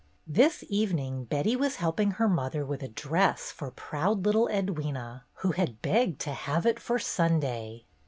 This evening Betty was helping her mother with a dress for proud little Edwyna, who had begged to have it "for Sunday."